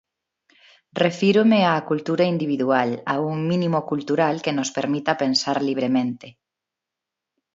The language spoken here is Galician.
Refírome á cultura individual, a un mínimo cultural que nos permita pensar libremente.